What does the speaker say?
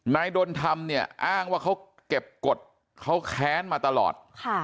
ดนธรรมเนี่ยอ้างว่าเขาเก็บกฎเขาแค้นมาตลอด